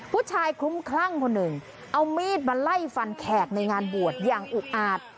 คลุ้มคลั่งคนหนึ่งเอามีดมาไล่ฟันแขกในงานบวชอย่างอุกอาจ